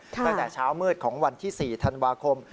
ตั้งแต่เช้ามืดของวันที่๔ธันวาคม